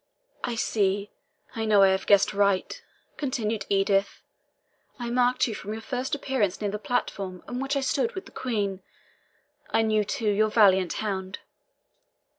"I see I know I have guessed right," continued Edith. "I marked you from your first appearance near the platform on which I stood with the Queen. I knew, too, your valiant hound.